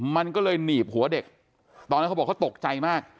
มันก็เลยหนีบหัวเด็กตอนนั้นเขาบอกเขาตกใจมาก